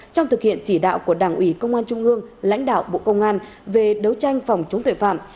trong thực hiện chỉ đạo của đảng ủy công an trung ương lãnh đạo bộ công an về đấu tranh phòng chống tội phạm